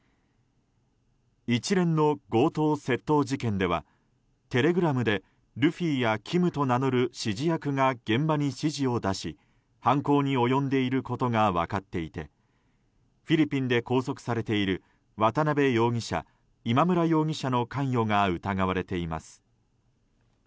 一連の強盗・窃盗事件ではテレグラムでルフィやキムと名乗る指示役が現場に指示を出し犯行に及んでいることが分かっていてフィリピンで拘束されている渡邉容疑者、今村容疑者の関与が疑われています。